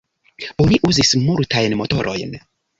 Oni uzis multajn motorojn.